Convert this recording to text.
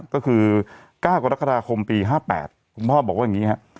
ก็คือ๙กรกฎาคมปี๕๘คุณพ่อบอกว่าอย่างนี้ครับ